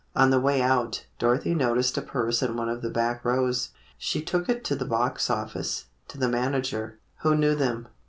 On the way out, Dorothy noticed a purse in one of the back rows. She took it to the box office, to the manager, who knew them.